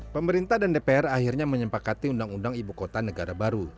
pemerintah dan dpr akhirnya menyempakati undang undang ibu kota negara baru